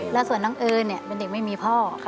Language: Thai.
แล้วส่วนน้องเอิญเป็นเด็กไม่มีพ่อ